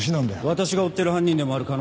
私が追ってる犯人でもある可能性がある。